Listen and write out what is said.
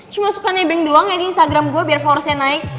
cuma suka nebeng doang ya di instagram gue biar force nya naik